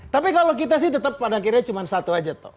tapi kalau kita sih tetap pada akhirnya cuma satu aja toh